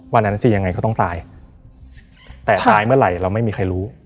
วันนั้นสิยังไงก็ต้องตายแต่ตายเมื่อไหร่เราไม่มีใครรู้